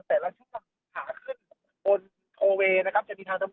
กินดอนเมืองในช่วงเวลาประมาณ๑๐นาฬิกานะครับ